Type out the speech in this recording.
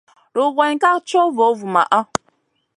Rugayn ká co vo vumaʼa.